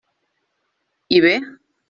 I bé.